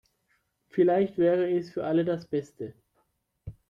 Vielleicht wäre es für alle das Beste.